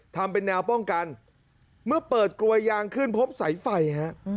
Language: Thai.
ทำเป็นแนวป้องกันเมื่อเปิดกลวยยางขึ้นพบสายไฟฮะ